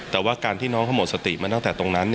แต่ว่าการที่น้องเขาหมดสติมาตั้งแต่ตรงนั้น